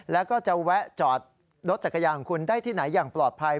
แล้วก็จะแวะจอดรถจักรยานของคุณได้ที่ไหนอย่างปลอดภัย